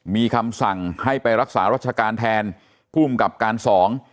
มีคำสั่งให้ไปรักษารัชการแทนภูมิกับการสอง